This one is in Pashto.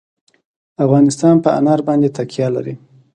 افغانستان په انار باندې تکیه لري.